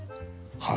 はい。